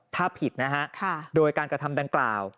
ถ้าผิดนะฮะโดยการกระทำดังกล่าว